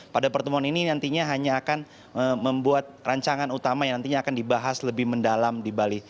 pada pertemuan ini nantinya hanya akan membuat rancangan utama yang nantinya akan dibahas lebih mendalam di bali